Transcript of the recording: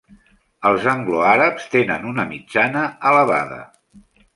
Els anglo-àrabs tenen una mitjana elevada.